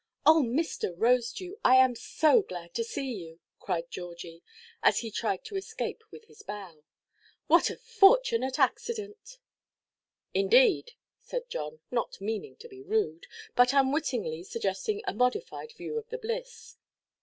"Oh, Mr. Rosedew, I am so glad to see you," cried Georgie, as he tried to escape with his bow: "what a fortunate accident!" "Indeed!" said John, not meaning to be rude, but unwittingly suggesting a modified view of the bliss.